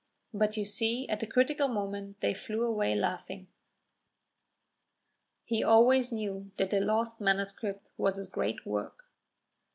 But you see at the critical moment they flew away laughing." He always knew that the lost manuscript was his great work.